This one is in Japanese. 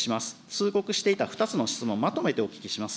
通告していた２つの質問、まとめてお聞きします。